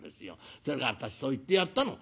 それで私そう言ってやったの。